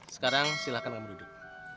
sekarang silakan kamu duduk